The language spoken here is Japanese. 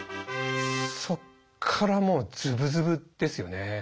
そっからもうずぶずぶですよね。